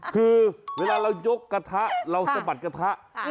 คือเวลาเรายกกระทะเราสะบัดกระทะ